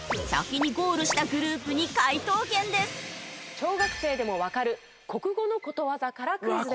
小学生でもわかる国語のことわざからクイズです。